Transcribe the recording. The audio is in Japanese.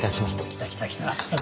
来た来た来た。